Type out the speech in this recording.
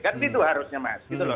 kan gitu harusnya mas